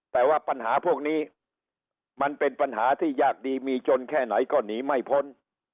แต่ว่าปัญหาพวกนี้มันเป็นปัญหาที่ยากดีมีจนแค่ไหนก็หนีไม่พ้น